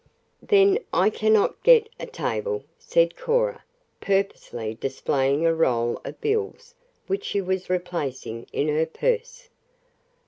"Then I cannot get a table," said Cora, purposely displaying a roll of bills which she was replacing in her purse.